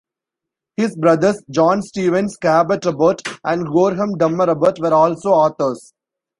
His brothers, John Stevens Cabot Abbott and Gorham Dummer Abbott, were also authors.